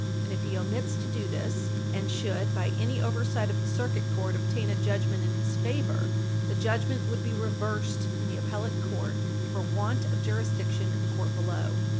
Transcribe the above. And if he omits to do this, and should, by any oversight of the Circuit Court, obtain a judgment in his favor, the judgment would be reversed in the appellate court for want of jurisdiction in the court below.